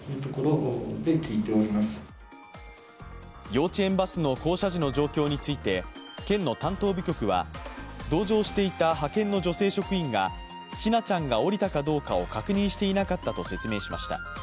幼稚園バスの降車時の状況について、県の担当部局は同乗していた派遣の女性職員が千奈ちゃんが降りたかどうかを確認していなかったと説明しました。